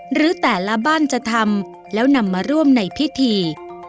หรือแต่ละบ้านจะทำแล้วนำมาร่วมในพิธี